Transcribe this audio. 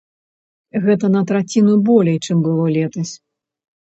Гэта на траціну болей, чым было летась.